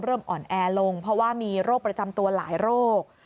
อ่อนแอลงเพราะว่ามีโรคประจำตัวหลายโรค